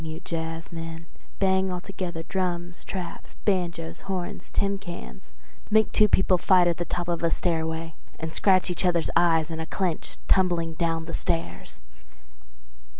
you jazzmen, bang altogether drums, traps, banjoes, horns, tin cans—make two people fight on the top of a stairway and scratch each other's eyes in a clinch tumbling down the stairs.